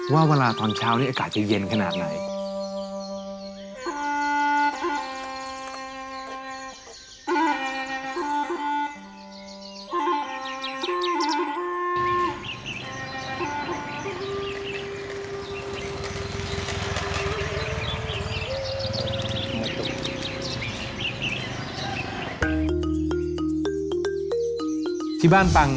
ว่าเวลาตอนเช้านี้อากาศจะเย็นขนาดไหน